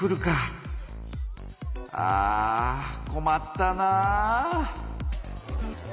あこまったなぁ。